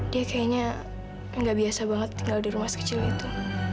dia kayaknya nggak biasa banget tinggal di rumah sekecil itu